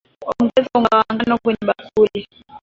Ongeza unga wa ngano kwenye bakuli